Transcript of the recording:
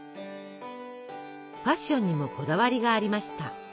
ファッションにもこだわりがありました。